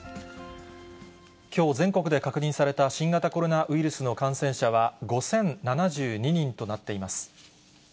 きょう全国で確認された新型コロナウイルスの感染者は、５０７２人となっています。